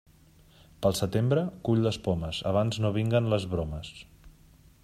Pel setembre, cull les pomes, abans no vinguen les bromes.